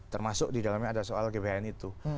termasuk di dalamnya ada soal gbhn itu